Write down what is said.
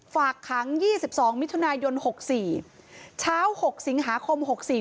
ฝากขังยี่สิบสองมิถุนายนหกสี่เช้าหกสิงหาคมหกสี่